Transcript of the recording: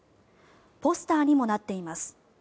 ポスターにもなっています。